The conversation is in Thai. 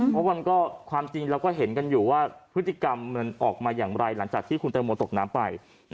เพราะมันก็ความจริงเราก็เห็นกันอยู่ว่าพฤติกรรมมันออกมาอย่างไรหลังจากที่คุณแตงโมตกน้ำไป